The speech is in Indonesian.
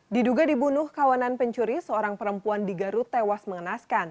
diduga dibunuh kawanan pencuri seorang perempuan di garut tewas mengenaskan